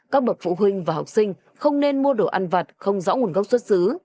các bậc phụ huynh và học sinh không nên mua đồ ăn vặt không rõ nguồn gốc xuất xứ